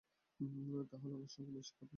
তাহলে আমার সঙ্গে মিশ খাবে।